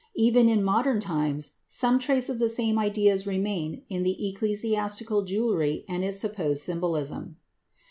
Even in modern times, some trace of the same ideas remains in the ecclesiastical jewelry and its supposed symbolism.